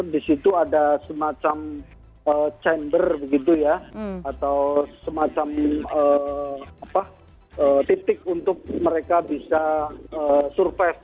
di situ ada semacam chamber begitu ya atau semacam titik untuk mereka bisa survive